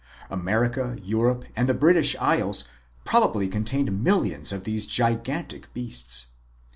America, Europe, and the British Isles probably contained millions of these gigantic beasts.